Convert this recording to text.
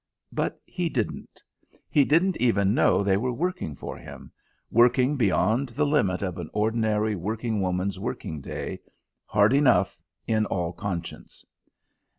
But he didn't; he didn't even know they were working for him, working beyond the limit of an ordinary working woman's working day, hard enough, in all conscience.